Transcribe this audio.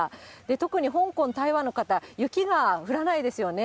特に香港、台湾の方、雪が降らないですよね。